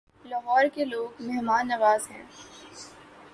لاہور کے لوگ مہمان نواز ہیں